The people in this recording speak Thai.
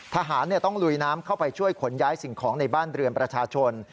ทหารต้องลุยน้ำเข้าไปช่วยขนย้ายสิ่งของในบ้านเรือนประชาชน